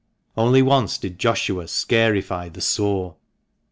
Once only did Joshua scarify the sore.